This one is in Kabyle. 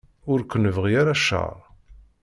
Ur k-nebɣi ara cceṛ.